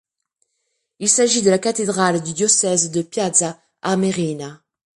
Il s'agit de la cathédrale du diocèse de Piazza Armerina.